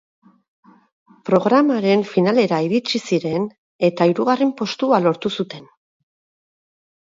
Programaren finalera iritsi ziren eta hirugarren postua lortu zuten.